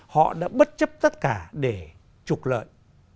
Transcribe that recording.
họ đã bất chấp tất cả để trục lợi